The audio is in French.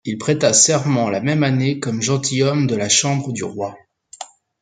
Il prêta serment la même année, comme gentilhomme de la chambre du roi.